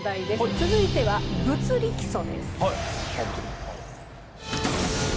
続いては「物理基礎」です。